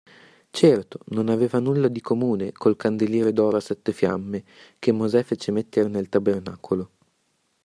Certo, non aveva nulla di comune col candeliere d'oro a sette fiamme, che Mosè fece mettere nel Tabernacolo.